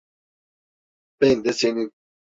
Ben de senin…